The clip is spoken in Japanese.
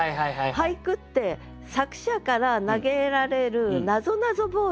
俳句って作者から投げられるなぞなぞボールなのね。